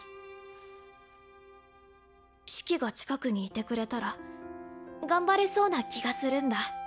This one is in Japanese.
四季が近くにいてくれたら頑張れそうな気がするんだ。